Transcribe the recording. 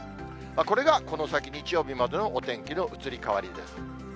これがこの先、日曜日までのお天気の移り変わりです。